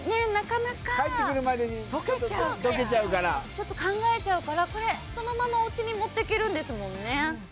ちょっと考えちゃうからこれそのままお家に持ってけるんですもんね。